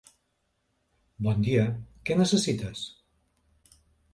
Bon dia, què necessites?